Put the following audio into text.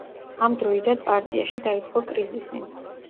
ამ დროიდან პარტიაში დაიწყო კრიზისი.